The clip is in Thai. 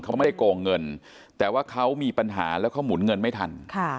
เขาไม่ได้โกงเงินแต่ว่าเขามีปัญหาแล้วเขาหมุนเงินไม่ทัน